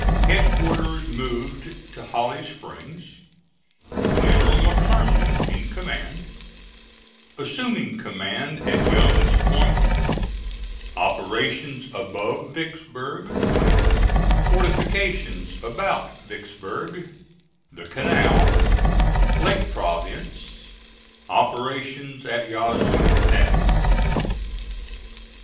HEADQUARTERS MOVED TO HOLLY SPRINGS GENERAL M'CLERNAND IN COMMAND ASSUMING COMMAND AT YOUNG'S POINT OPERATIONS ABOVE VICKSBURG FORTIFICATIONS ABOUT VICKSBURG THE CANAL LAKE PROVIDENCE OPERATIONS AT YAZOO PASS.